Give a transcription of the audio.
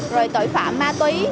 rồi tội phạm ma túy